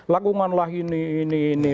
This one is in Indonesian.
lakukanlah ini ini ini